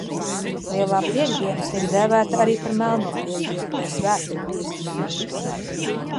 Lielā piektdiena tiek dēvēta arī par Melno piektdienu vai Svēto piektdienu.